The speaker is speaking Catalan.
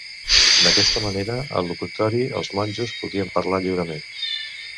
D'aquesta manera, al locutori, els monjos podien parlar lliurement.